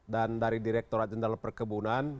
dan dari direkturat jenderal perkebunan